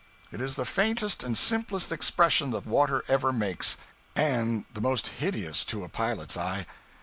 It is the faintest and simplest expression the water ever makes, and the most hideous to a pilot's eye.